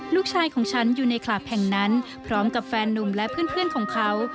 ลูกชายของฉันอยู่ในคลับแห่งนั้นพร้อมกับแฟนนุ่มและเพื่อนของเขา